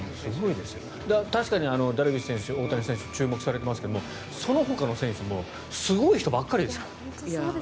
確かにダルビッシュ選手、大谷選手注目されていますけどそのほかの選手もすごい人ばかりですから。